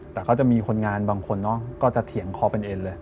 แต่ก็จะมีคนงานบางคนเนอะก็จะเถียงคอเป็นเอ็นเลย